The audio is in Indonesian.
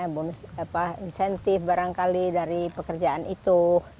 apa namanya insentif barangkali dari pekerjaan itu